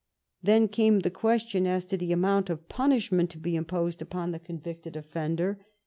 Then came the question as to the amount of pun ishment to be imposed upon the convicted offender.